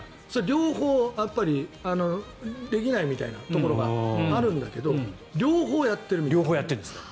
両方できないみたいなところがあるんだけど両方やってるみたい。